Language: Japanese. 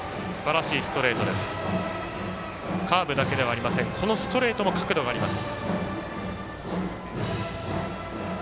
カーブだけではありませんストレートも角度があります。